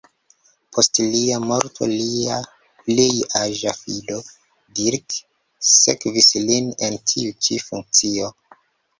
Post lia morto lia plej aĝa filo, Dirk, sekvis lin en tiu ĉi funkcio.